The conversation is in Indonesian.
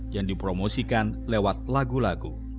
yang dipromosikan lewat lagu lagu